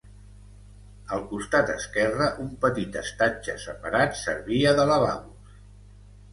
Al costat esquerre un petit estatge separat servia de lavabos.